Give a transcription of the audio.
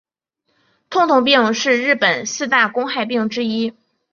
痛痛病是日本四大公害病之一。